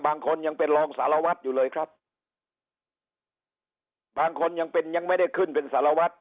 บางคนยังเป็นรองสารวัตรอยู่เลยครับบางคนยังเป็นยังไม่ได้ขึ้นเป็นสารวัตร